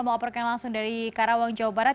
mau operkan langsung dari karawang jawa barat